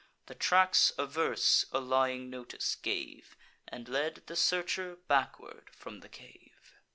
The tracks averse a lying notice gave, And led the searcher backward from the cave.